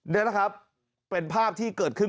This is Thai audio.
นี่นะครับเป็นภาพที่เกิดขึ้น